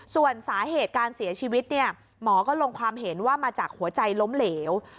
ส่วนสาเหตุการเสียชีวิตเนี่ยหมอก็ลงความเห็นว่ามาจากหัวใจล้มเหลว